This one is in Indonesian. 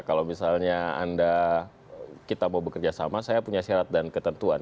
kalau misalnya anda kita mau bekerja sama saya punya syarat dan ketentuan